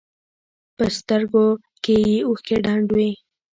په سترګو کښې يې اوښکې ډنډ وې.